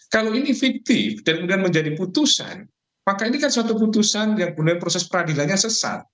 kalau ini fiktif dan kemudian menjadi putusan maka ini kan suatu putusan yang kemudian proses peradilannya sesat